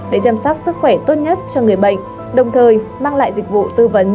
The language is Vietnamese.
để chăm sóc sức khỏe tốt nhất cho người bệnh đồng thời mang lại dịch vụ tư vấn